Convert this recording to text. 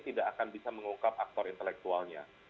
tidak akan bisa mengungkap aktor intelektualnya